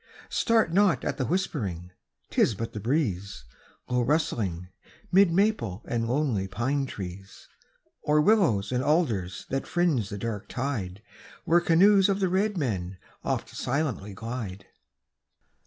Start not at the whispering, 'tis but the breeze, Low rustling, 'mid maple and lonely pine trees, Or willows and alders that fringe the dark tide Where canoes of the red men oft silently glide.